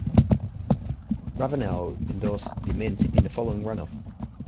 Ravenel endorsed DeMint in the following runoff.